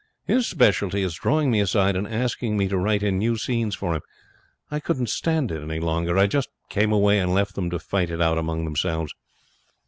His speciality is drawing me aside and asking me to write in new scenes for him. I couldn't stand it any longer. I just came away and left them to fight it out among themselves.'